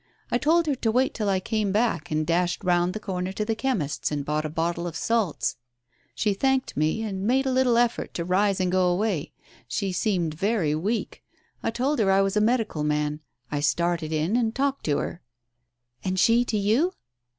I told her to wait till I came back, and dashed round the corner to the chemist's and bought a bottle of salts. She thanked me, and made a little effort to rise and go away. She seemed very weak. I told her I was a medical man, I started in and talked* to her." "And she to you?"